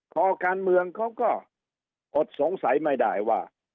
คอการเมืองเขาก็อดสงสัยไม่ได้ว่า